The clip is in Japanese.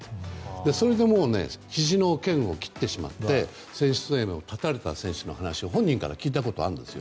それで、もうひじの腱を切ってしまって選手生命を絶たれたという話を本人から聞いたことがあるんです。